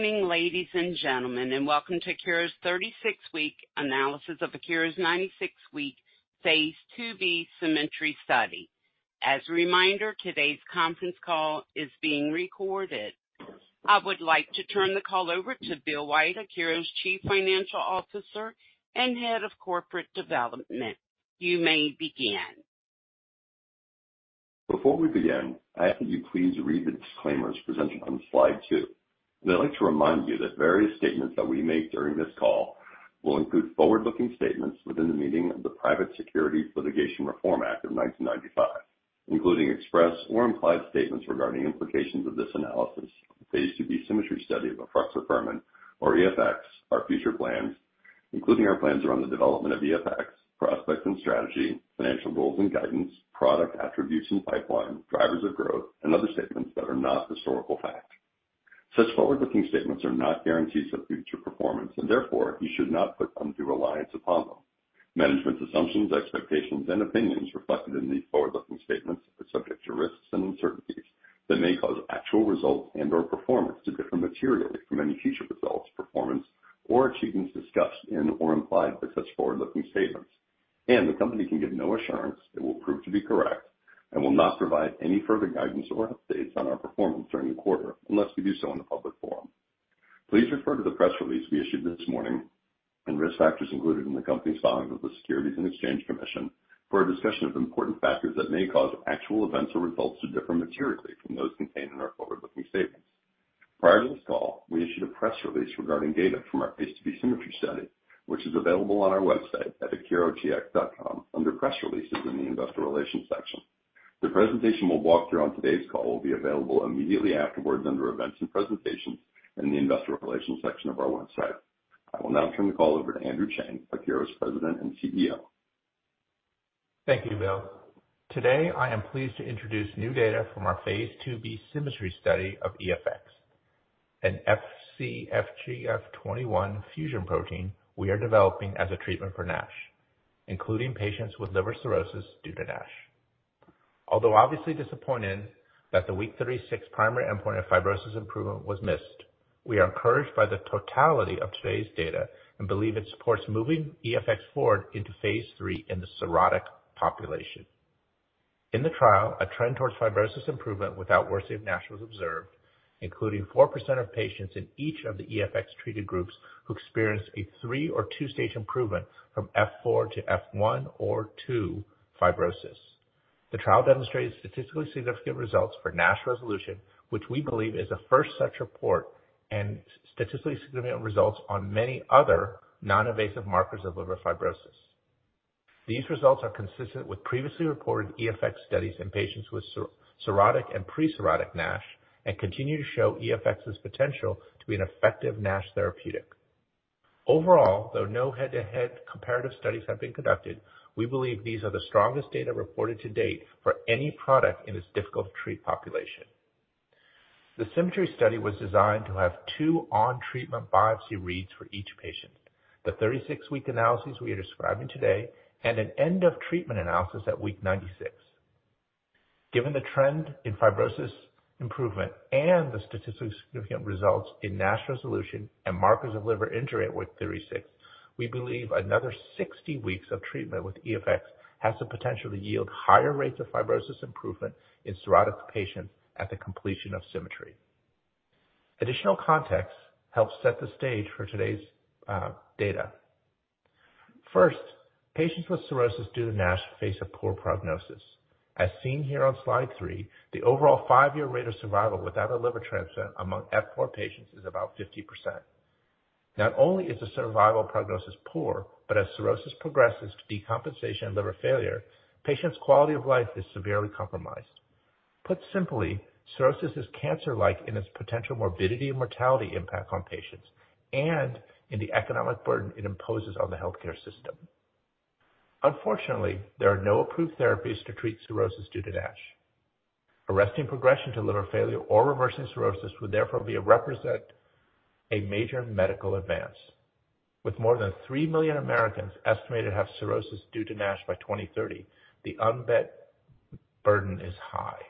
Good morning, ladies and gentlemen, and welcome to Akero's 36-week analysis of Akero's 96-week Phase 2b SYMMETRY study. As a reminder, today's conference call is being recorded. I would like to turn the call over to Bill White, Akero's Chief Financial Officer and Head of Corporate Development. You may begin. Before we begin, I ask that you please read the disclaimers presented on slide 2. I'd like to remind you that various statements that we make during this call will include forward-looking statements within the meaning of the Private Securities Litigation Reform Act of 1995, including express or implied statements regarding implications of this analysis. The Phase 2b SYMMETRY study of efruxifermin or EFX, our future plans, including our plans around the development of EFX, prospects and strategy, financial roles and guidance, product attributes and pipeline, drivers of growth, and other statements that are not historical fact. Such forward-looking statements are not guarantees of future performance, and therefore you should not put undue reliance upon them. Management's assumptions, expectations, and opinions reflected in these forward-looking statements are subject to risks and uncertainties that may cause actual results and/or performance to differ materially from any future results, performance, or achievements discussed in or implied by such forward-looking statements. The Company can give no assurance they will prove to be correct and will not provide any further guidance or updates on our performance during the quarter unless we do so in the public forum. Please refer to the press release we issued this morning and risk factors included in the company's filings with the Securities and Exchange Commission for a discussion of important factors that may cause actual events or results to differ materially from those contained in our forward-looking statements. Prior to this call, we issued a press release regarding data from our Phase 2b SYMMETRY study, which is available on our website at akerotx.com under Press Releases in the Investor Relations section. The presentation we'll walk through on today's call will be available immediately afterwards under Events and Presentations in the Investor Relations section of our website. I will now turn the call over to Andrew Cheng, Akero's President and CEO. Thank you, Bill. Today, I am pleased to introduce new data from our Phase 2B SYMMETRY study of EFX, an Fc-FGF21 fusion protein we are developing as a treatment for NASH, including patients with liver cirrhosis due to NASH. Although obviously disappointed that the week 36 primary endpoint of fibrosis improvement was missed, we are encouraged by the totality of today's data and believe it supports moving EFX forward into Phase 3 in the cirrhotic population. In the trial, a trend towards fibrosis improvement without worsening of NASH was observed, including 4% of patients in each of the EFX-treated groups who experienced a three- or two-stage improvement from F4 to F1 or F2 fibrosis. The trial demonstrated statistically significant results for NASH resolution, which we believe is the first such report, and statistically significant results on many other non-invasive markers of liver fibrosis. These results are consistent with previously reported EFX studies in patients with cirrhotic and pre-cirrhotic NASH, and continue to show EFX's potential to be an effective NASH therapeutic. Overall, though, no head-to-head comparative studies have been conducted, we believe these are the strongest data reported to date for any product in this difficult-to-treat population. The SYMMETRY study was designed to have two on-treatment biopsy reads for each patient: the 36-week analysis we are describing today and an end-of-treatment analysis at week 96. Given the trend in fibrosis improvement and the statistically significant results in NASH resolution and markers of liver injury at week 36, we believe another 60 weeks of treatment with EFX has the potential to yield higher rates of fibrosis improvement in cirrhotic patients at the completion of SYMMETRY. Additional context helps set the stage for today's data. First, patients with cirrhosis due to NASH face a poor prognosis. As seen here on slide 3, the overall five-year rate of survival without a liver transplant among F4 patients is about 50%. Not only is the survival prognosis poor, but as cirrhosis progresses to decompensation and liver failure, patients' quality of life is severely compromised. Put simply, cirrhosis is cancer-like in its potential morbidity and mortality impact on patients and in the economic burden it imposes on the healthcare system. Unfortunately, there are no approved therapies to treat cirrhosis due to NASH. Arresting progression to liver failure or reversing cirrhosis would therefore represent a major medical advance. With more than 3 million Americans estimated to have cirrhosis due to NASH by 2030, the unmet burden is high.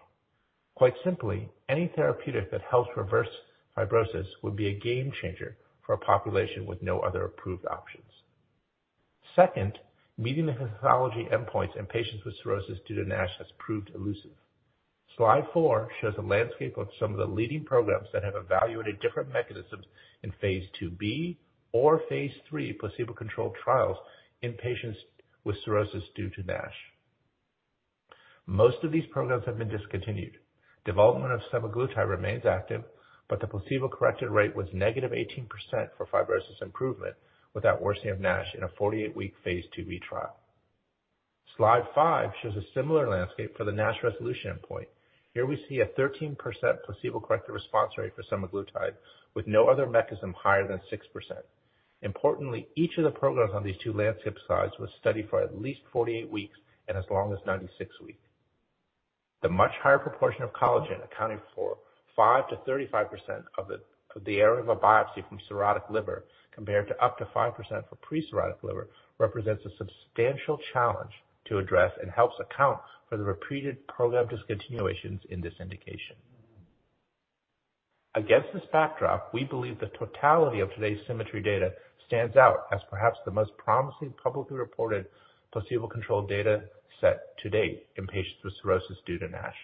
Quite simply, any therapeutic that helps reverse fibrosis would be a game changer for a population with no other approved options. Second, meeting the pathology endpoints in patients with cirrhosis due to NASH has proved elusive. Slide 4 shows a landscape of some of the leading programs that have evaluated different mechanisms in Phase 2b or Phase 3 placebo-controlled trials in patients with cirrhosis due to NASH. Most of these programs have been discontinued. Development of semaglutide remains active, but the placebo-corrected rate was -18% for fibrosis improvement without worsening of NASH in a 48-week Phase 2b trial. Slide 5 shows a similar landscape for the NASH resolution endpoint. Here we see a 13% placebo corrected response rate for semaglutide, with no other mechanism higher than 6%. Importantly, each of the programs on these two landscape slides was studied for at least 48 weeks and as long as 96 weeks. The much higher proportion of collagen, accounting for 5%-35% of the area of a biopsy from cirrhotic liver, compared to up to 5% for pre-cirrhotic liver, represents a substantial challenge to address and helps account for the repeated program discontinuations in this indication. Against this backdrop, we believe the totality of today's SYMMETRY data stands out as perhaps the most promising publicly reported placebo-controlled data set to date in patients with cirrhosis due to NASH.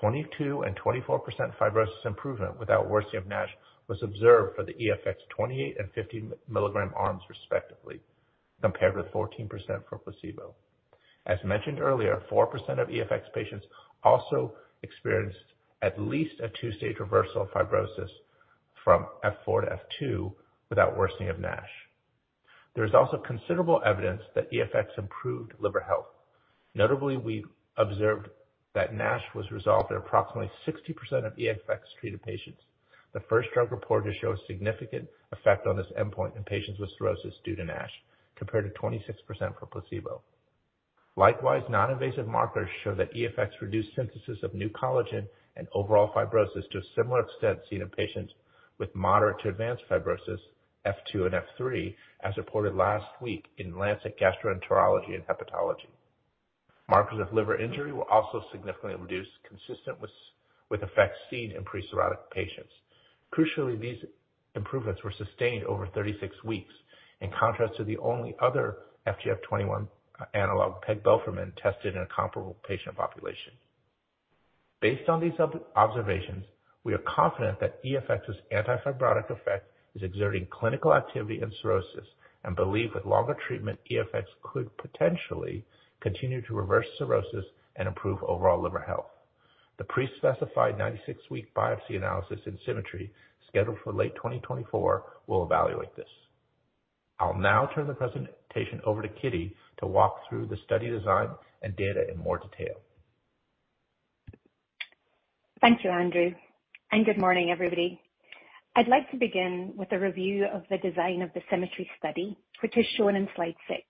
22% and 24% fibrosis improvement without worsening of NASH was observed for the EFX 28 and 50 milligram arms, respectively, compared to 14% for placebo. As mentioned earlier, 4% of EFX patients also experienced at least a two-stage reversal of fibrosis from F4 to F2 without worsening of NASH. There's also considerable evidence that EFX improved liver health. Notably, we observed that NASH was resolved in approximately 60% of EFX-treated patients, the first drug reported to show a significant effect on this endpoint in patients with cirrhosis due to NASH, compared to 26% for placebo. Likewise, non-invasive markers show that EFX reduced synthesis of new collagen and overall fibrosis to a similar extent seen in patients with moderate to advanced fibrosis, F2 and F3, as reported last week in Lancet Gastroenterology and Hepatology. Markers of liver injury were also significantly reduced, consistent with effects seen in pre-cirrhotic patients. Crucially, these improvements were sustained over 36 weeks, in contrast to the only other FGF21 analog, pegbelfermin, tested in a comparable patient population. Based on these observations, we are confident that EFX's anti-fibrotic effect is exerting clinical activity in cirrhosis and believe with longer treatment, EFX could potentially continue to reverse cirrhosis and improve overall liver health. The pre-specified 96-week biopsy analysis in SYMMETRY, scheduled for late 2024, will evaluate this. I'll now turn the presentation over to Kitty to walk through the study design and data in more detail. Thank you, Andrew, and good morning, everybody. I'd like to begin with a review of the design of the SYMMETRY study, which is shown in Slide 6.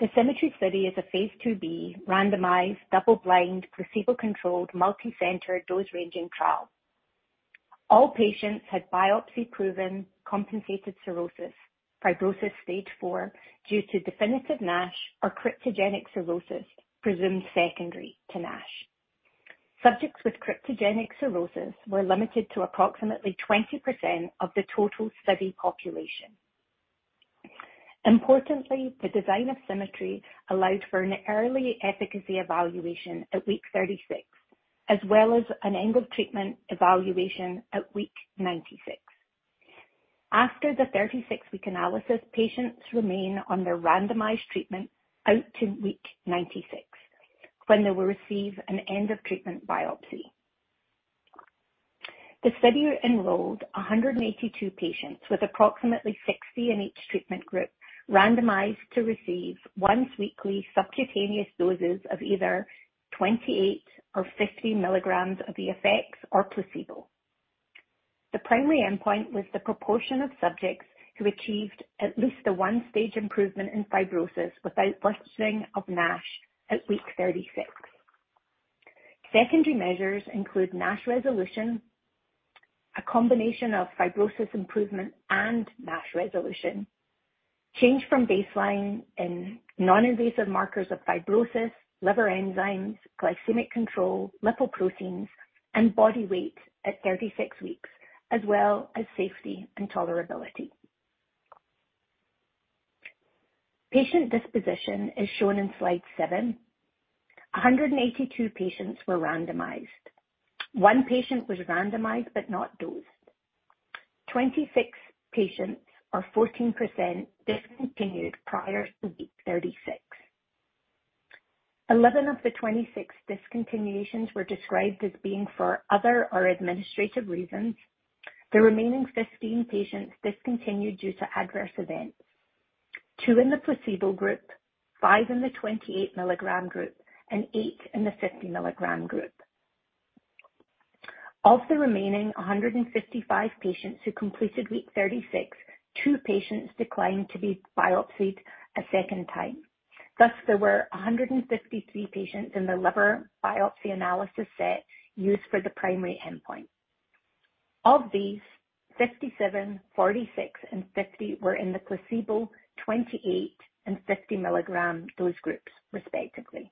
The SYMMETRY study is a Phase 2b randomized, double-blind, placebo-controlled, multicentered, dose-ranging trial. All patients had biopsy-proven compensated cirrhosis, fibrosis stage four, due to definitive NASH or cryptogenic cirrhosis, presumed secondary to NASH. Subjects with cryptogenic cirrhosis were limited to approximately 20% of the total study population. Importantly, the design of SYMMETRY allowed for an early efficacy evaluation at week 36, as well as an end of treatment evaluation at week 96. After the 36-week analysis, patients remain on their randomized treatment out to week 96, when they will receive an end of treatment biopsy. The study enrolled 182 patients, with approximately 60 in each treatment group, randomized to receive once weekly subcutaneous doses of either 28 or 50 milligrams of EFX or placebo. The primary endpoint was the proportion of subjects who achieved at least a 1-stage improvement in fibrosis without worsening of NASH at week 36. Secondary measures include NASH resolution, a combination of fibrosis improvement and NASH resolution, change from baseline in non-invasive markers of fibrosis, liver enzymes, glycemic control, lipoproteins, and body weight at 36 weeks, as well as safety and tolerability. Patient disposition is shown in Slide 7. 182 patients were randomized. 1 patient was randomized, but not dosed. 26 patients, or 14%, discontinued prior to week 36. 11 of the 26 discontinuations were described as being for other or administrative reasons. The remaining 15 patients discontinued due to adverse events, 2 in the placebo group, 5 in the 28 milligram group, and 8 in the 50 milligram group. Of the remaining 155 patients who completed week 36, 2 patients declined to be biopsied a second time. Thus, there were 153 patients in the liver biopsy analysis set used for the primary endpoint. Of these, 57, 46, and 50 were in the placebo, 28, and 50 milligram dose groups, respectively.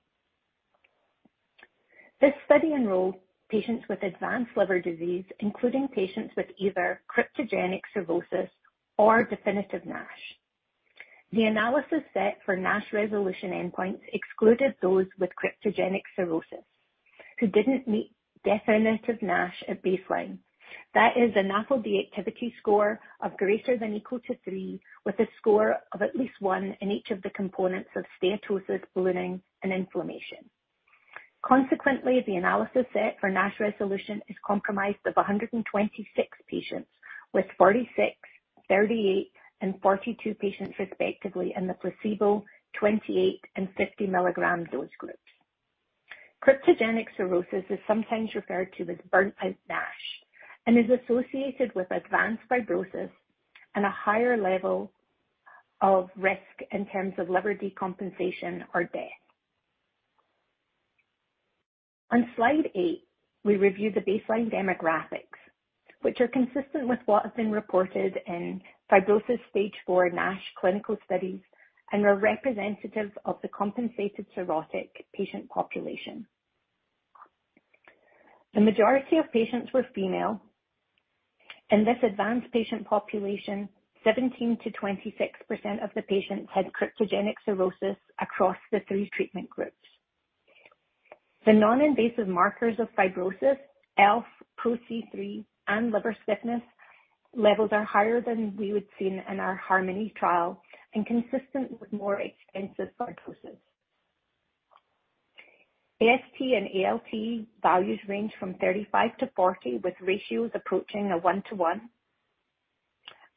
This study enrolled patients with advanced liver disease, including patients with either cryptogenic cirrhosis or definitive NASH. The analysis set for NASH resolution endpoints excluded those with cryptogenic cirrhosis who didn't meet definitive NASH at baseline. That is a NAFLD activity score of greater than equal to 3, with a score of at least 1 in each of the components of steatosis, ballooning, and inflammation. Consequently, the analysis set for NASH resolution is comprised of 126 patients, with 46, 38, and 42 patients, respectively, in the placebo, 28, and 50 milligram dose groups. Cryptogenic cirrhosis is sometimes referred to as burnt out NASH and is associated with advanced fibrosis and a higher level of risk in terms of liver decompensation or death. On Slide eight, we review the baseline demographics, which are consistent with what has been reported in fibrosis stage four NASH clinical studies and are representative of the compensated cirrhotic patient population. The majority of patients were female. In this advanced patient population, 17%-26% of the patients had cryptogenic cirrhosis across the three treatment groups. The non-invasive markers of fibrosis, ELF, PRO-C3, and liver stiffness levels are higher than we had seen in our HARMONY trial and consistent with more extensive cirrhosis. AST and ALT values range from 35-40, with ratios approaching a 1-to-1.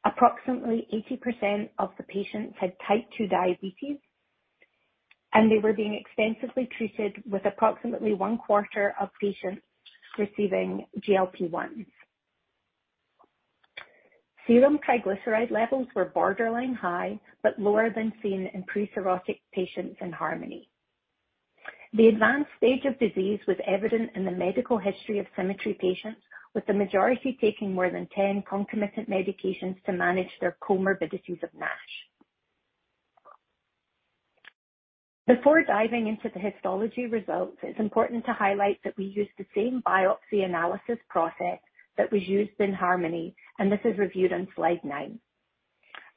Approximately 80% of the patients had type 2 diabetes, and they were being extensively treated, with approximately one-quarter of patients receiving GLP-1. Serum triglyceride levels were borderline high, but lower than seen in precirrhotic patients in HARMONY. The advanced stage of disease was evident in the medical history of SYMMETRY patients, with the majority taking more than 10 concomitant medications to manage their comorbidities of NASH. Before diving into the histology results, it's important to highlight that we used the same biopsy analysis process that was used in HARMONY, and this is reviewed on slide nine.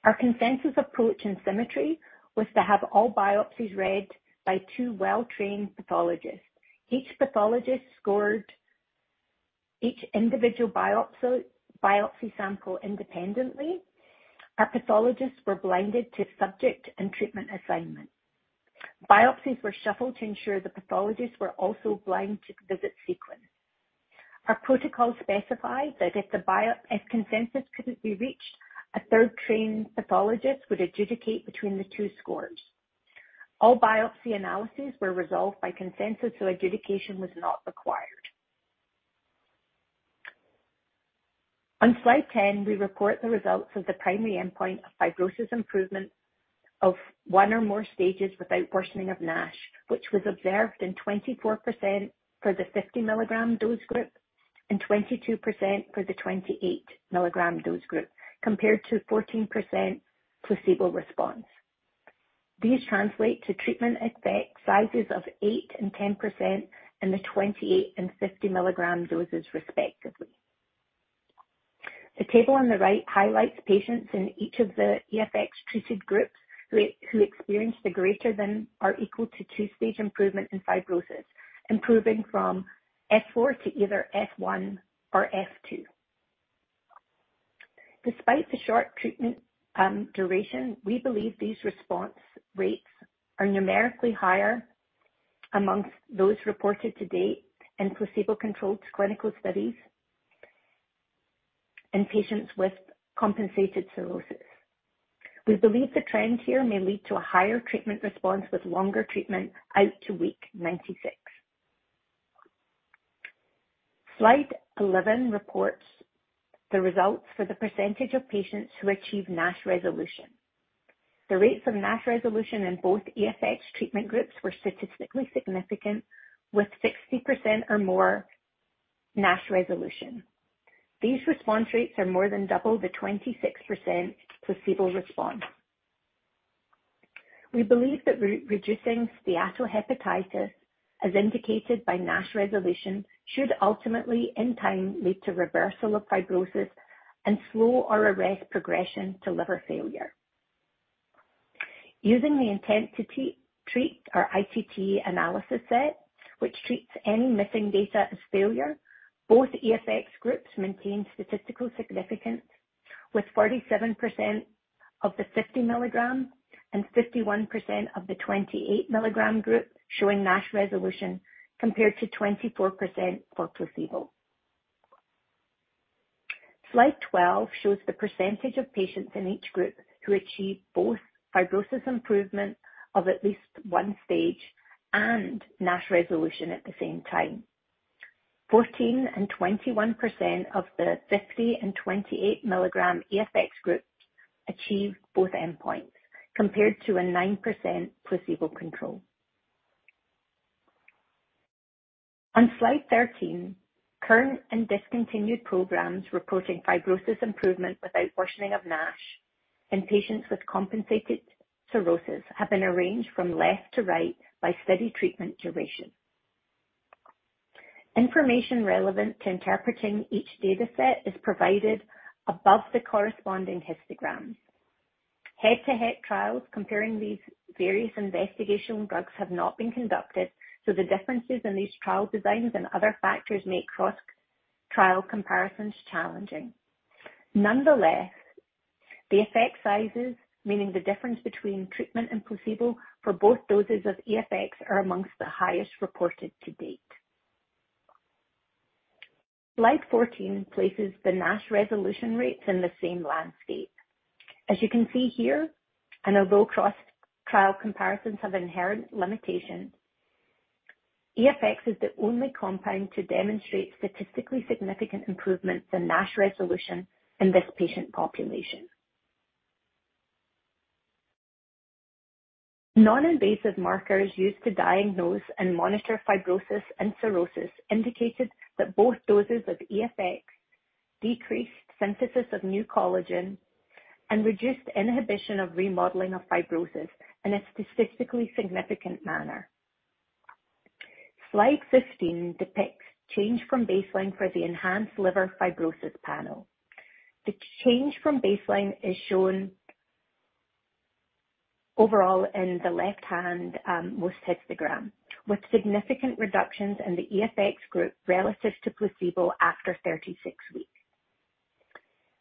Our consensus approach in SYMMETRY was to have all biopsies read by two well-trained pathologists. Each pathologist scored each individual biopsy sample independently. Our pathologists were blinded to subject and treatment assignment. Biopsies were shuffled to ensure the pathologists were also blind to the visit sequence. Our protocol specified that if consensus couldn't be reached, a third trained pathologist would adjudicate between the two scores. All biopsy analyses were resolved by consensus, so adjudication was not required. On slide 10, we report the results of the primary endpoint of fibrosis improvement of 1 or more stages without worsening of NASH, which was observed in 24% for the 50-milligram dose group and 22% for the 28-milligram dose group, compared to 14% placebo response. These translate to treatment effect sizes of 8% and 10% in the 28- and 50-milligram doses, respectively. The table on the right highlights patients in each of the EFX-treated groups who experienced a greater than or equal to 2-stage improvement in fibrosis, improving from F4 to either F1 or F2. Despite the short treatment duration, we believe these response rates are numerically higher among those reported to date in placebo-controlled clinical studies in patients with compensated cirrhosis. We believe the trend here may lead to a higher treatment response with longer treatment out to week 96. Slide 11 reports the results for the percentage of patients who achieve NASH resolution. The rates of NASH resolution in both EFX treatment groups were statistically significant, with 60% or more NASH resolution. These response rates are more than double the 26% placebo response. We believe that re-reducing steatohepatitis, as indicated by NASH resolution, should ultimately, in time, lead to reversal of fibrosis and slow or arrest progression to liver failure. Using the intent-to-treat or ITT analysis set, which treats any missing data as failure, both EFX groups maintained statistical significance, with 47% of the 50 mg and 51% of the 28 mg group showing NASH resolution, compared to 24% for placebo. Slide 12 shows the percentage of patients in each group who achieved both fibrosis improvement of at least 1 stage and NASH resolution at the same time. 14% and 21% of the 50 mg and 28 mg EFX groups achieved both endpoints, compared to a 9% placebo control. On slide 13, current and discontinued programs reporting fibrosis improvement without worsening of NASH in patients with compensated cirrhosis have been arranged from left to right by study treatment duration. Information relevant to interpreting each dataset is provided above the corresponding histograms. Head-to-head trials comparing these various investigational drugs have not been conducted, so the differences in these trial designs and other factors make cross-trial comparisons challenging. Nonetheless, the effect sizes, meaning the difference between treatment and placebo for both doses of EFX, are among the highest reported to date. Slide 14 places the NASH resolution rates in the same landscape. As you can see here, and although cross-trial comparisons have inherent limitations, EFX is the only compound to demonstrate statistically significant improvement in NASH resolution in this patient population.... Non-invasive markers used to diagnose and monitor fibrosis and cirrhosis indicated that both doses of EFX decreased synthesis of new collagen and reduced inhibition of remodeling of fibrosis in a statistically significant manner. Slide 15 depicts change from baseline for the Enhanced Liver Fibrosis panel. The change from baseline is shown overall in the left-hand most histogram, with significant reductions in the EFX group relative to placebo after 36 weeks.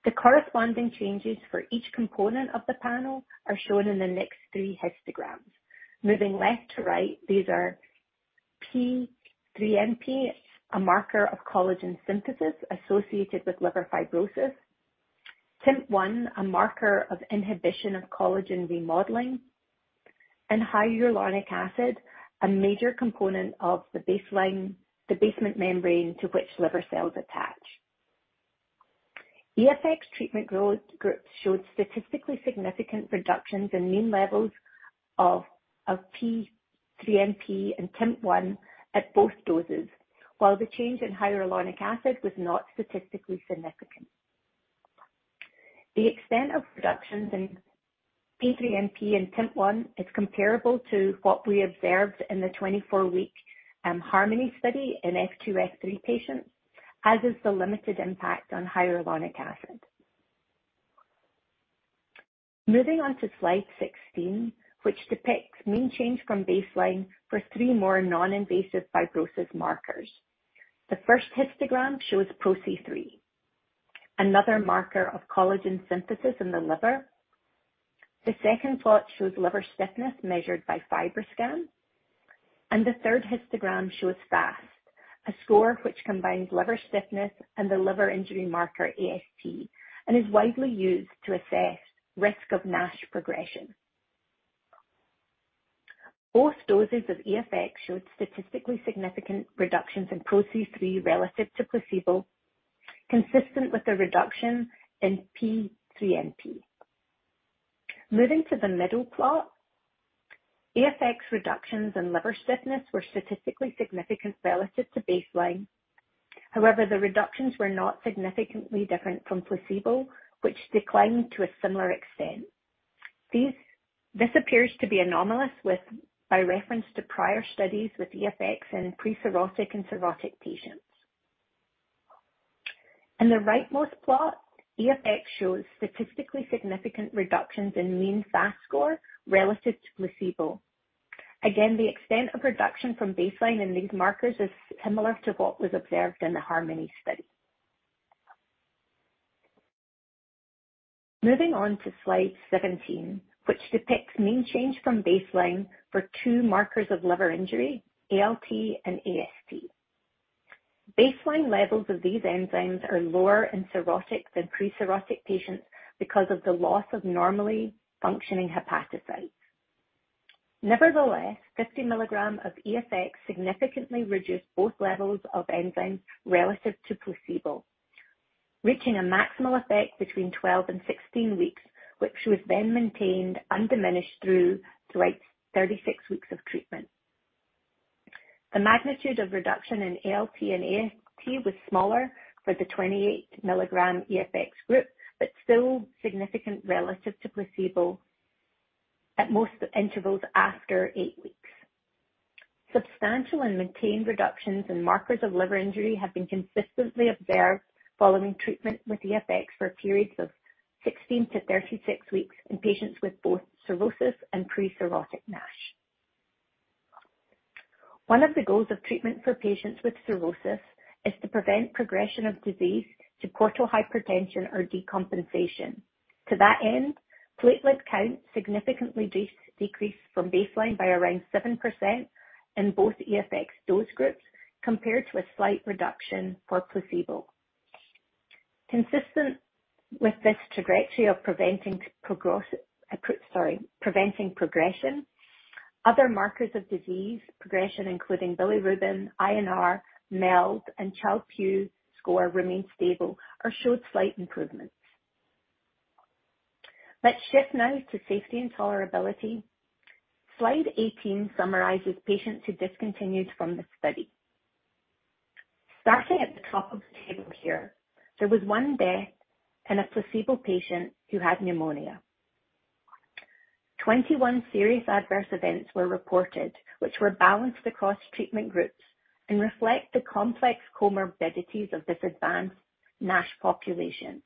The corresponding changes for each component of the panel are shown in the next three histograms. Moving left to right, these are P3NP, a marker of collagen synthesis associated with liver fibrosis, TIMP-1, a marker of inhibition of collagen remodeling, and hyaluronic acid, a major component of the basement membrane to which liver cells attach. EFX treatment groups showed statistically significant reductions in mean levels of P3NP and TIMP-1 at both doses, while the change in hyaluronic acid was not statistically significant. The extent of reductions in P3NP and TIMP-1 is comparable to what we observed in the 24-week HARMONY study in F2, F3 patients, as is the limited impact on hyaluronic acid. Moving on to slide 16, which depicts mean change from baseline for three more non-invasive fibrosis markers. The first histogram shows PRO-C3, another marker of collagen synthesis in the liver. The second plot shows liver stiffness measured by FibroScan, and the third histogram shows FAST, a score which combines liver stiffness and the liver injury marker AST, and is widely used to assess risk of NASH progression. Both doses of EFX showed statistically significant reductions in PRO-C3 relative to placebo, consistent with the reduction in P3NP. Moving to the middle plot, EFX reductions in liver stiffness were statistically significant relative to baseline. However, the reductions were not significantly different from placebo, which declined to a similar extent. This appears to be anomalous with, by reference to prior studies with EFX in precirrhotic and cirrhotic patients. In the rightmost plot, EFX shows statistically significant reductions in mean FAST score relative to placebo. Again, the extent of reduction from baseline in these markers is similar to what was observed in the HARMONY study. Moving on to slide 17, which depicts mean change from baseline for two markers of liver injury, ALT and AST. Baseline levels of these enzymes are lower in cirrhotic than precirrhotic patients because of the loss of normally functioning hepatocytes. Nevertheless, 50 mg of EFX significantly reduced both levels of enzymes relative to placebo, reaching a maximal effect between 12 and 16 weeks, which was then maintained undiminished throughout 36 weeks of treatment. The magnitude of reduction in ALT and AST was smaller for the 28-mg EFX group, but still significant relative to placebo at most intervals after 8 weeks. Substantial and maintained reductions in markers of liver injury have been consistently observed following treatment with EFX for periods of 16-36 weeks in patients with both cirrhosis and precirrhotic NASH. One of the goals of treatment for patients with cirrhosis is to prevent progression of disease to portal hypertension or decompensation. To that end, platelet count significantly decreased from baseline by around 7% in both EFX dose groups, compared to a slight reduction for placebo. Consistent with this trajectory of preventing progression, other markers of disease progression, including bilirubin, INR, MELD, and Child-Pugh score, remained stable or showed slight improvements. Let's shift now to safety and tolerability. Slide eighteen summarizes patients who discontinued from the study. Starting at the top of the table here, there was 1 death in a placebo patient who had pneumonia. 21 serious adverse events were reported, which were balanced across treatment groups and reflect the complex comorbidities of this advanced NASH population.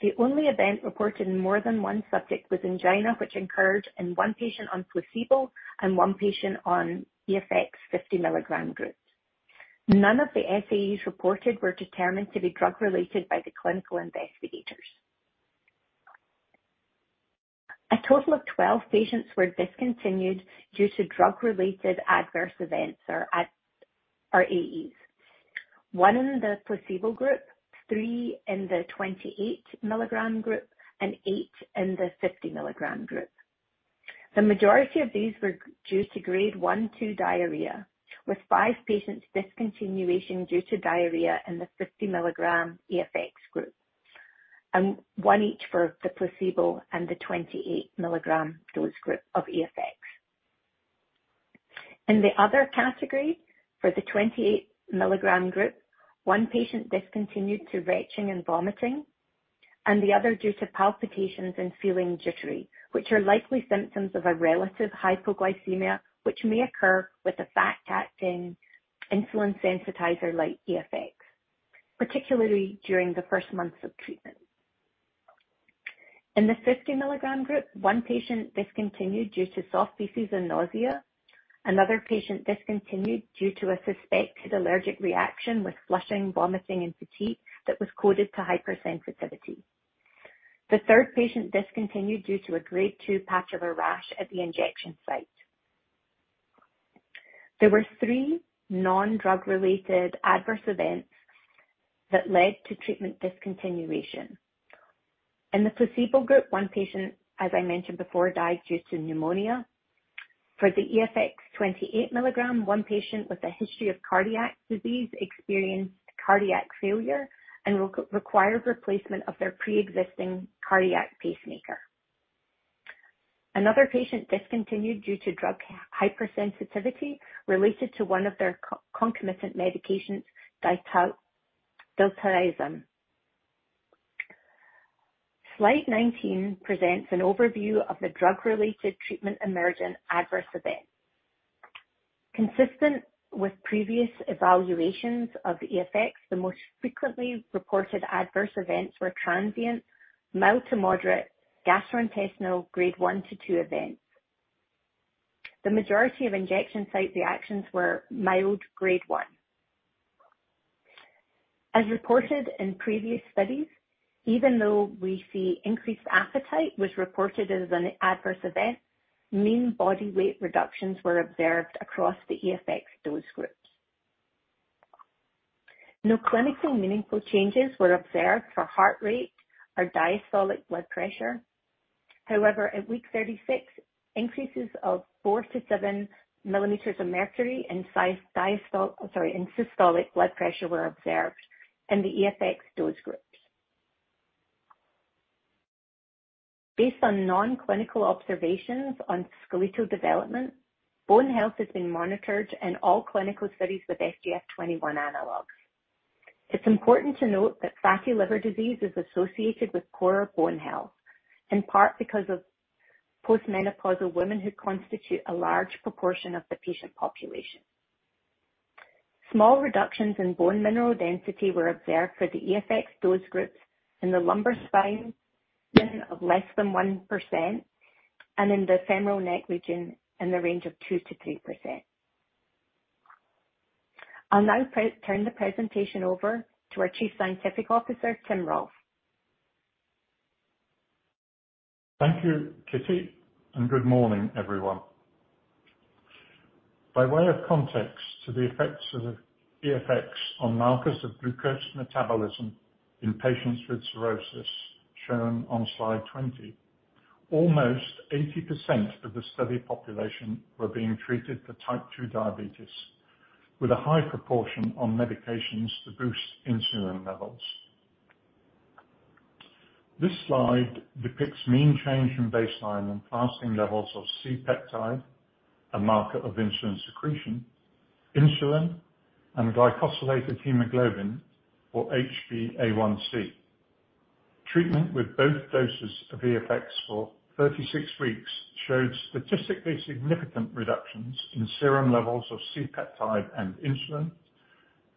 The only event reported in more than 1 subject was angina, which occurred in 1 patient on placebo and 1 patient on the EFX 50 mg group. None of the SAEs reported were determined to be drug related by the clinical investigators. A total of 12 patients were discontinued due to drug-related adverse events, or, at, or AEs. 1 in the placebo group, 3 in the 28 mg group, and 8 in the 50 mg group. The majority of these were due to grade 1, 2 diarrhea, with 5 patients discontinuation due to diarrhea in the 50 mg EFX group.... one each for the placebo and the 28 milligram dose group of EFX. In the other category, for the 28 milligram group, one patient discontinued due to retching and vomiting, and the other due to palpitations and feeling jittery, which are likely symptoms of a relative hypoglycemia, which may occur with a fast-acting insulin sensitizer like EFX, particularly during the first months of treatment. In the 50 milligram group, one patient discontinued due to soft feces and nausea. Another patient discontinued due to a suspected allergic reaction with flushing, vomiting, and fatigue that was coded as hypersensitivity. The third patient discontinued due to a grade two patch of a rash at the injection site. There were three non-drug-related adverse events that led to treatment discontinuation. In the placebo group, one patient, as I mentioned before, died due to pneumonia. For the EFX 28-milligram, one patient with a history of cardiac disease experienced cardiac failure and required replacement of their pre-existing cardiac pacemaker. Another patient discontinued due to drug hypersensitivity related to one of their concomitant medications, diltiazem. Slide 19 presents an overview of the drug-related treatment emergent adverse events. Consistent with previous evaluations of EFX, the most frequently reported adverse events were transient, mild to moderate, gastrointestinal grade 1-2 events. The majority of injection site reactions were mild grade 1. As reported in previous studies, even though we see increased appetite was reported as an adverse event, mean body weight reductions were observed across the EFX dose groups. No clinically meaningful changes were observed for heart rate or diastolic blood pressure. However, at week 36, increases of 4-7 millimeters of mercury in size, diastole, sorry, in systolic blood pressure were observed in the EFX dose groups. Based on non-clinical observations on skeletal development, bone health has been monitored in all clinical studies with FGF21 analogs. It's important to note that fatty liver disease is associated with poorer bone health, in part because of post-menopausal women who constitute a large proportion of the patient population. Small reductions in bone mineral density were observed for the EFX dose groups in the lumbar spine of less than 1% and in the femoral neck region in the range of 2%-3%. I'll now turn the presentation over to our Chief Scientific Officer, Tim Rolph. Thank you, Kitty, and good morning, everyone. By way of context to the effects of EFX on markers of glucose metabolism in patients with cirrhosis, shown on slide 20, almost 80% of the study population were being treated for type 2 diabetes, with a high proportion on medications to boost insulin levels. This slide depicts mean change in baseline and fasting levels of C-peptide, a marker of insulin secretion, insulin and glycosylated hemoglobin, or HbA1c. Treatment with both doses of EFX for 36 weeks showed statistically significant reductions in serum levels of C-peptide and insulin,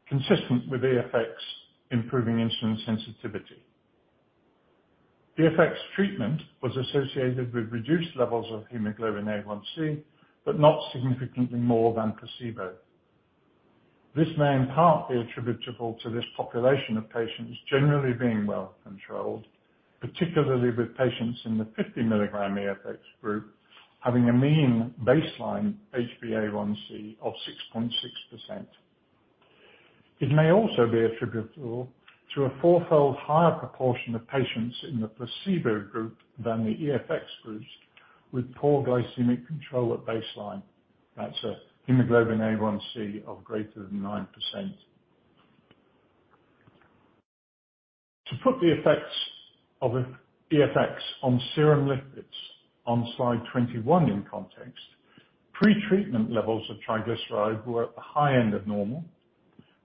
consistent with EFX improving insulin sensitivity. EFX treatment was associated with reduced levels of hemoglobin A1c, but not significantly more than placebo. This may in part be attributable to this population of patients generally being well controlled, particularly with patients in the 50 mg EFX group, having a mean baseline HbA1c of 6.6%. It may also be attributable to a fourfold higher proportion of patients in the placebo group than the EFX groups, with poor glycemic control at baseline. That's a hemoglobin A1c of greater than 9%. To put the effects of EFX on serum lipids on slide 21 in context, pretreatment levels of triglycerides were at the high end of normal.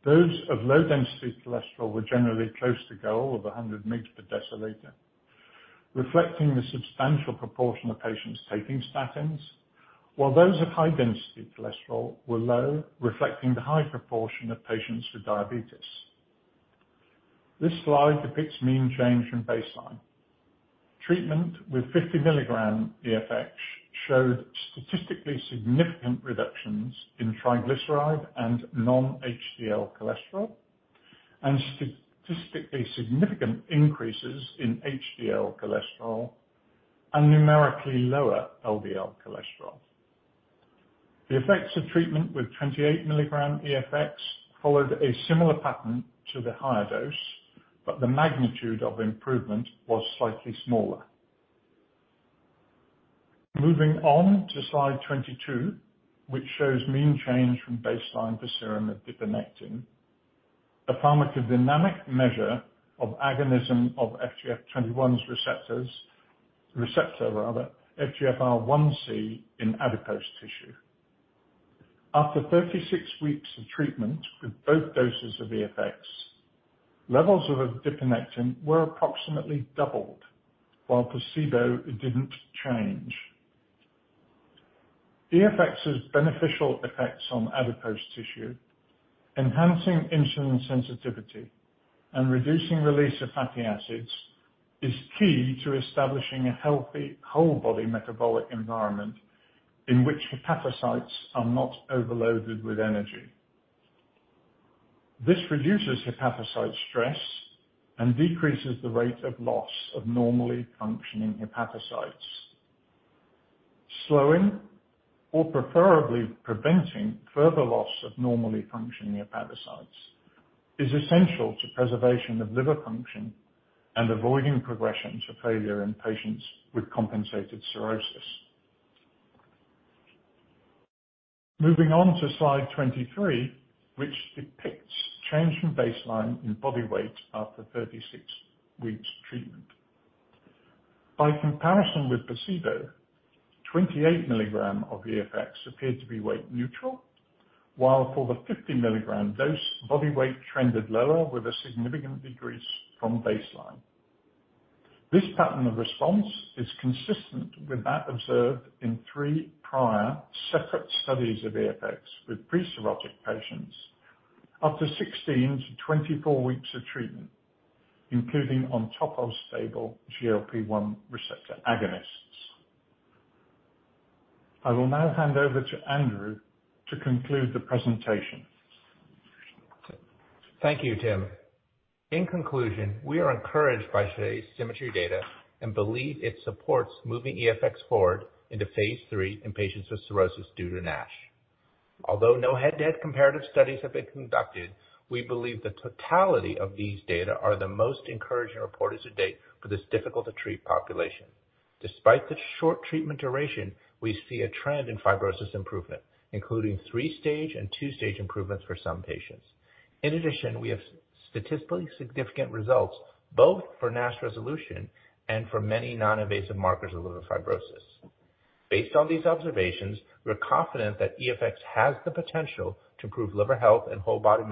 Those of low-density cholesterol were generally close to goal of 100 mg/dL, reflecting the substantial proportion of patients taking statins, while those of high-density cholesterol were low, reflecting the high proportion of patients with diabetes. This slide depicts mean change in baseline. Treatment with 50 mg EFX showed statistically significant reductions in triglyceride and non-HDL cholesterol, and statistically significant increases in HDL cholesterol and numerically lower LDL cholesterol. The effects of treatment with 28 mg EFX followed a similar pattern to the higher dose, but the magnitude of improvement was slightly smaller. Moving on to slide 22, which shows mean change from baseline to serum adiponectin, a pharmacodynamic measure of agonism of FGF21's receptors, receptor rather, FGFR1c in adipose tissue. After 36 weeks of treatment with both doses of EFX, levels of adiponectin were approximately doubled, while placebo didn't change. EFX's beneficial effects on adipose tissue, enhancing insulin sensitivity, and reducing release of fatty acids, is key to establishing a healthy whole body metabolic environment in which hepatocytes are not overloaded with energy. This reduces hepatocyte stress and decreases the rate of loss of normally functioning hepatocytes. Slowing, or preferably preventing, further loss of normally functioning hepatocytes is essential to preservation of liver function and avoiding progression to failure in patients with compensated cirrhosis. Moving on to slide 23, which depicts change from baseline in body weight after 36 weeks treatment. By comparison with placebo, 28 milligram of EFX appeared to be weight neutral, while for the 50 milligram dose, body weight trended lower with a significant decrease from baseline. This pattern of response is consistent with that observed in three prior separate studies of EFX with pre-cirrhotic patients up to 16-24 weeks of treatment, including on top of stable GLP-1 receptor agonists. I will now hand over to Andrew to conclude the presentation. Thank you, Tim. In conclusion, we are encouraged by today's SYMMETRY data and believe it supports moving EFX forward into Phase 3 in patients with cirrhosis due to NASH. Although no head-to-head comparative studies have been conducted, we believe the totality of these data are the most encouraging report to date for this difficult to treat population. Despite the short treatment duration, we see a trend in fibrosis improvement, including 3-stage and 2-stage improvements for some patients. In addition, we have statistically significant results, both for NASH resolution and for many non-invasive markers of liver fibrosis. Based on these observations, we're confident that EFX has the potential to improve liver health and whole body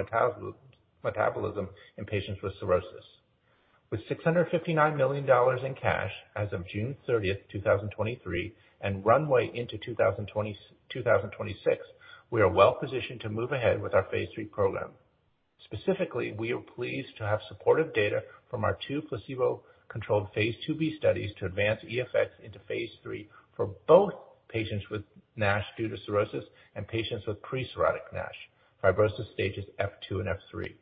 metabolism in patients with cirrhosis. With $659 million in cash as of June 30, 2023, and runway into 2025 and 2026, we are well positioned to move ahead with our Phase 3 program. Specifically, we are pleased to have supportive data from our two placebo-controlled phase 2b studies to advance EFX into Phase 3 for both patients with NASH due to cirrhosis and patients with pre-cirrhotic NASH, fibrosis stages F2 and F3.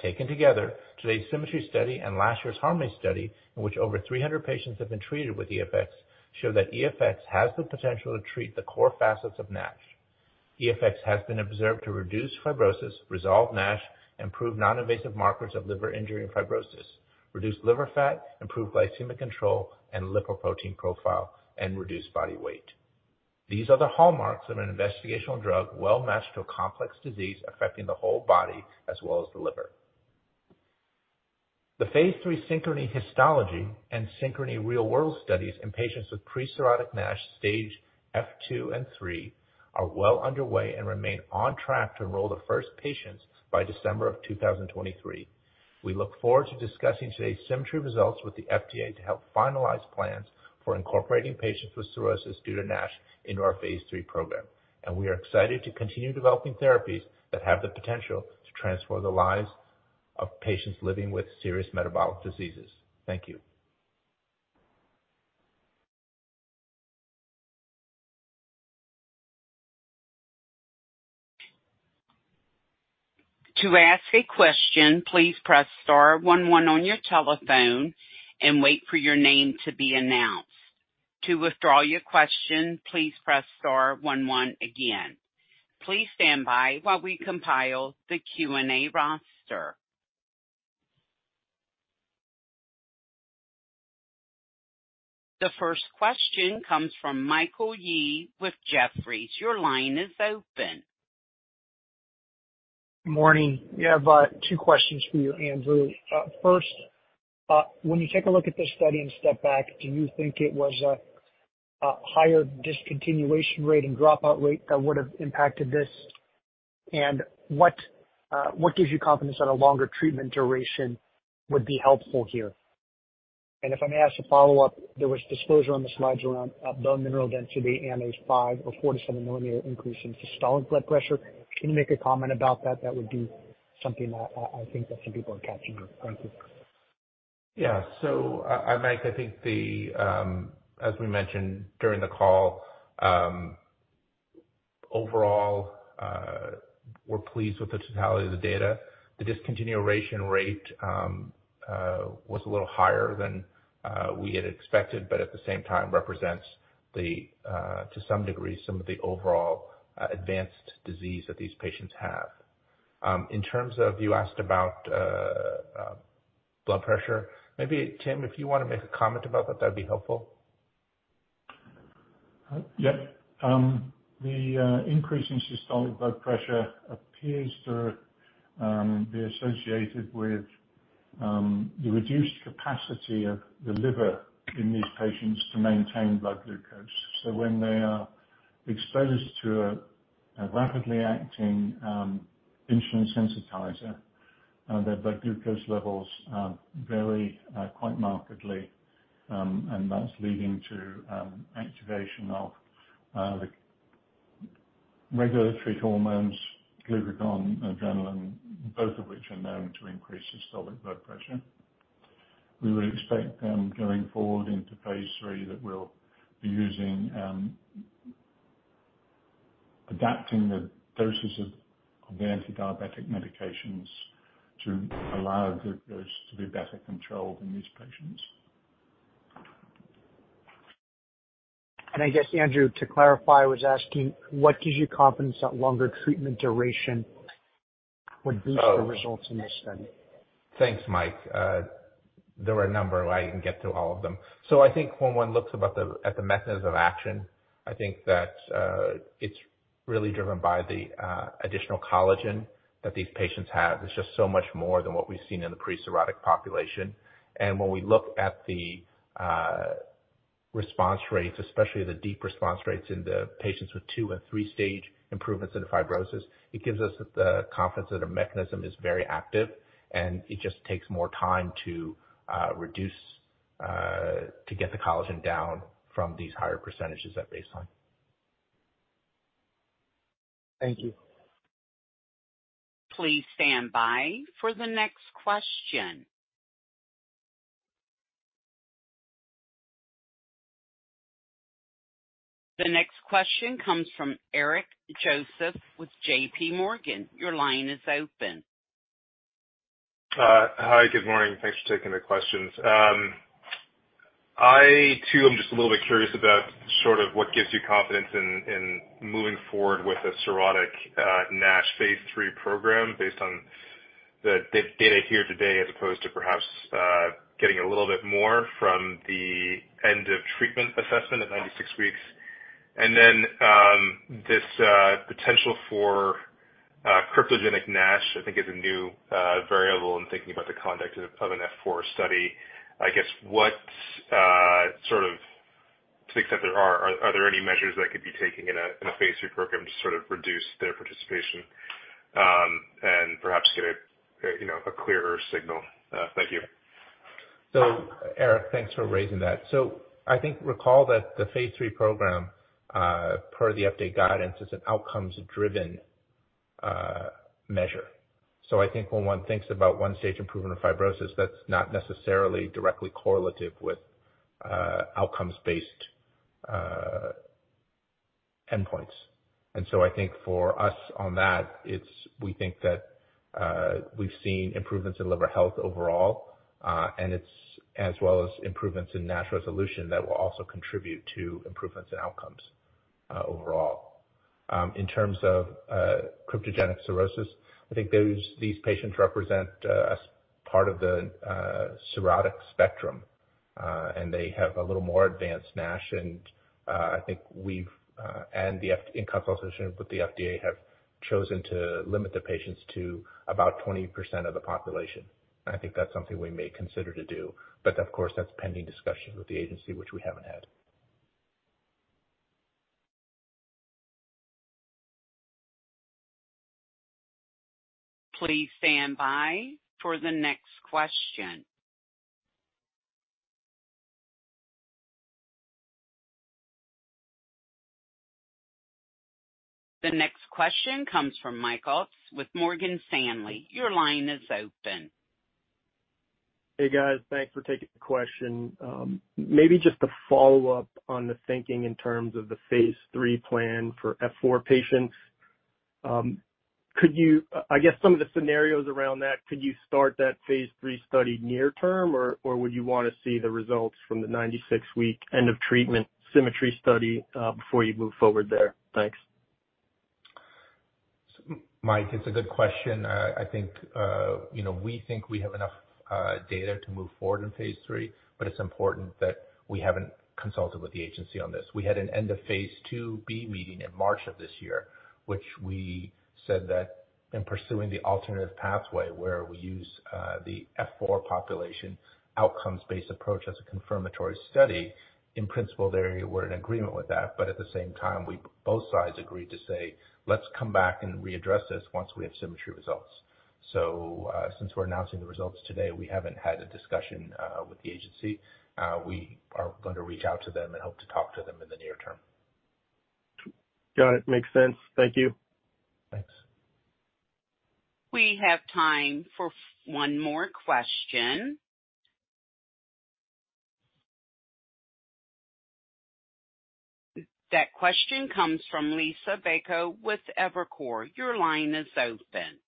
Taken together, today's SYMMETRY study and last year's HARMONY study, in which over 300 patients have been treated with EFX, show that EFX has the potential to treat the core facets of NASH. EFX has been observed to reduce fibrosis, resolve NASH, improve non-invasive markers of liver injury and fibrosis, reduce liver fat, improve glycemic control and lipoprotein profile, and reduce body weight. These are the hallmarks of an investigational drug, well-matched to a complex disease affecting the whole body as well as the liver. The Phase 3 SYNCHRONY Histology and SYNCHRONY Real-World studies in patients with pre-cirrhotic NASH, stage F2 and 3, are well underway and remain on track to enroll the first patients by December 2023. We look forward to discussing today's SYMMETRY results with the FDA to help finalize plans for incorporating patients with cirrhosis due to NASH into our Phase 3 program. We are excited to continue developing therapies that have the potential to transform the lives of patients living with serious metabolic diseases. Thank you. To ask a question, please press star one one on your telephone and wait for your name to be announced. To withdraw your question, please press star one one again. Please stand by while we compile the Q&A roster. The first question comes from Michael Yee with Jefferies. Your line is open. Morning. Yeah, two questions for you, Andrew. First, when you take a look at this study and step back, do you think it was a higher discontinuation rate and dropout rate that would have impacted this? What gives you confidence that a longer treatment duration would be helpful here? If I may ask a follow-up, there was disclosure on the slides around bone mineral density and a 5 or 4-7 millimeter increase in systolic blood pressure. Can you make a comment about that? That would be something I think that some people are capturing. Thank you. Yeah. So, I, Mike, I think the, as we mentioned during the call, overall, we're pleased with the totality of the data. The discontinuation rate was a little higher than we had expected, but at the same time represents the, to some degree, some of the overall, advanced disease that these patients have. In terms of you asked about blood pressure. Maybe Tim, if you want to make a comment about that, that'd be helpful. Yeah. The increase in systolic blood pressure appears to be associated with the reduced capacity of the liver in these patients to maintain blood glucose. So when they are exposed to a rapidly acting insulin sensitizer, their blood glucose levels vary quite markedly. And that's leading to activation of the regulatory hormones, glucagon, adrenaline, both of which are known to increase systolic blood pressure. We would expect, going forward into Phase 3, that we'll be using, adapting the doses of the antidiabetic medications to allow glucose to be better controlled in these patients. I guess, Andrew, to clarify, I was asking, what gives you confidence that longer treatment duration would boost the results in this study? Thanks, Mike. There were a number, I can get through all of them. So I think when one looks about at the mechanism of action, I think that it's really driven by the additional collagen that these patients have. It's just so much more than what we've seen in the pre-cirrhotic population. And when we look at the response rates, especially the deep response rates in the patients with two and three-stage improvements in fibrosis, it gives us the confidence that the mechanism is very active, and it just takes more time to reduce to get the collagen down from these higher percentages at baseline. Thank you. Please stand by for the next question. The next question comes from Eric Joseph with JP Morgan. Your line is open. Hi, good morning. Thanks for taking the questions. I too am just a little bit curious about sort of what gives you confidence in moving forward with a cirrhotic NASH Phase 3 program, based on the data here today, as opposed to perhaps getting a little bit more from the end of treatment assessment at 96 weeks. And then, this potential for cryptogenic NASH, I think, is a new variable in thinking about the conduct of an F4 study. I guess, what sort of, to the extent there are, are there any measures that could be taken in a Phase 3 program to sort of reduce their participation and perhaps get a you know, a clearer signal? Thank you. So Eric, thanks for raising that. So I think recall that the Phase 3 program, per the update guidance, is an outcomes-driven measure. So I think when one thinks about one stage improvement of fibrosis, that's not necessarily directly correlative with outcomes-based endpoints. And so I think for us on that, it's we think that we've seen improvements in liver health overall, and it's as well as improvements in NASH resolution that will also contribute to improvements in outcomes overall. In terms of cryptogenic cirrhosis, I think these patients represent as part of the cirrhotic spectrum, and they have a little more advanced NASH. And I think we've, in consultation with the FDA, have chosen to limit the patients to about 20% of the population. I think that's something we may consider to do, but of course, that's pending discussion with the agency, which we haven't had. Please stand by for the next question. The next question comes from Michael with Morgan Stanley. Your line is open. Hey, guys. Thanks for taking the question. Maybe just to follow up on the thinking in terms of the Phase 3 plan for F4 patients. Could you... I guess some of the scenarios around that, could you start that Phase 3 study near term, or, or would you want to see the results from the 96-week end of treatment SYMMETRY study, before you move forward there? Thanks. Mike, it's a good question. I think, you know, we think we have enough data to move forward in Phase 3, but it's important that we haven't consulted with the agency on this. We had an end-of-phase 2b meeting in March of this year, which we said that in pursuing the alternative pathway, where we use the F4 population outcomes-based approach as a confirmatory study, in principle, they were in agreement with that. But at the same time, we both sides agreed to say, "Let's come back and readdress this once we have SYMMETRY results." So, since we're announcing the results today, we haven't had a discussion with the agency. We are going to reach out to them and hope to talk to them in the near term. Got it. Makes sense. Thank you. Thanks. We have time for one more question. That question comes from Liisa Bayko with Evercore. Your line is open.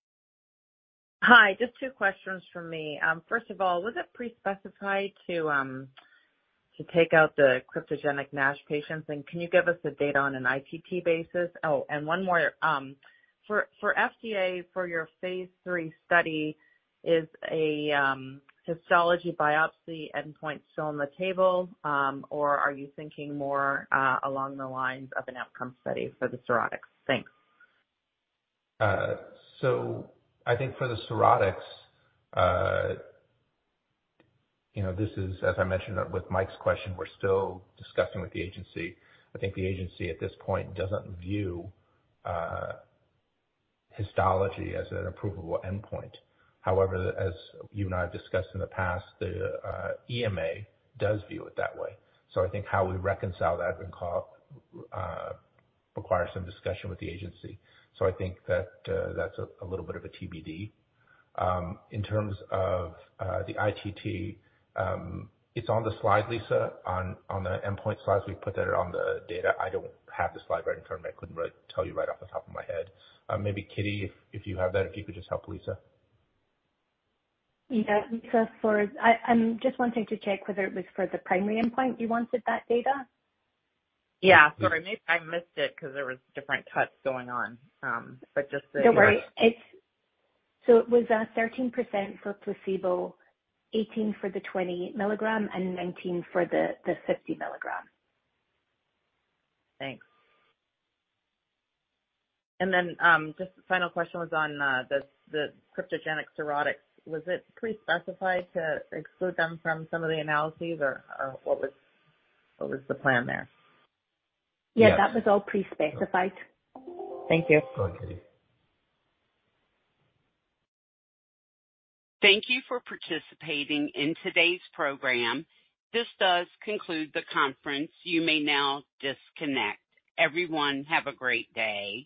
Hi, just two questions from me. First of all, was it pre-specified to take out the cryptogenic NASH patients, and can you give us the data on an ITT basis? Oh, and one more. For FDA, for your phase three study, is a histology biopsy endpoint still on the table, or are you thinking more along the lines of an outcome study for the cirrhotics? Thanks. So, I think for the cirrhotics, you know, this is, as I mentioned with Mike's question, we're still discussing with the agency. I think the agency, at this point, doesn't view histology as an approvable endpoint. However, as you and I have discussed in the past, the EMA does view it that way. So I think how we reconcile that and call requires some discussion with the agency. So I think that that's a little bit of a TBD. In terms of the ITT, it's on the slide, Lisa, on the endpoint slides. We put that on the data. I don't have the slide right in front of me. I couldn't really tell you right off the top of my head. Maybe Kitty, if you have that, if you could just help Lisa. Yeah, Lisa, I'm just wanting to check whether it was for the primary endpoint, you wanted that data? Yeah. Sorry, maybe I missed it because there was different cuts going on. But just the- Don't worry. It's... So it was 13% for placebo, 18% for the 20 milligram, and 19% for the 50 milligram. Thanks. And then, just final question was on the cryptogenic cirrhotics. Was it pre-specified to exclude them from some of the analyses? Or, what was the plan there? Yes. Yeah, that was all pre-specified. Thank you. Go, Kitty. Thank you for participating in today's program. This does conclude the conference. You may now disconnect. Everyone, have a great day.